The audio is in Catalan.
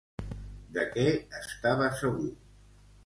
De què estava segur?